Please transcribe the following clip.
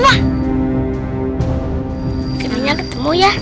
akhirnya ketemu ya